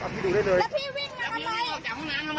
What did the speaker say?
พี่ดูได้เลยแล้วพี่วิ่งไล่ออกจากห้องน้ำทำไม